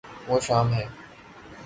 وہ شام ہے